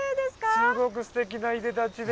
すごくすてきないでたちで。